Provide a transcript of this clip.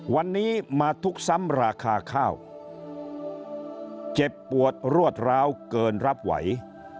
วันนี้มาทุกข์ซ้ำราคาข้าวเจ็บปวดรวดร้าวเกินรับไหว